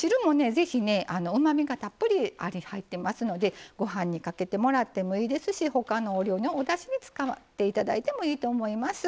ぜひねうまみがたっぷり入ってますのでご飯にかけてもらってもいいですし他のお料理のおだしに使って頂いてもいいと思います。